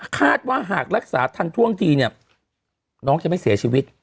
คาดว่าหากรักษาทันท่วงทีเนี่ยน้องจะไม่เสียชีวิต